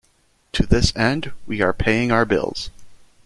To this end, we are paying our bills.